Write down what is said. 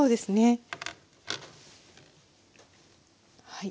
はい。